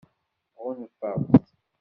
Ɣunfaɣ-t.